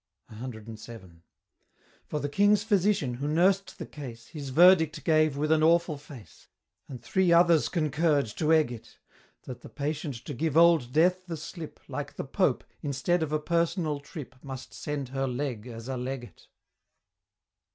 CVII. For the King's Physician, who nursed the case, His verdict gave with an awful face, And three others concurr'd to egg it; That the Patient to give old Death the slip, Like the Pope, instead of a personal trip, Must send her Leg as a Legate.